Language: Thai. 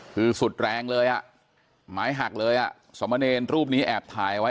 คือสุดแรงเลยอ่ะหมายหักเลยอ่ะสมเนรรูปนี้แอบถ่ายไว้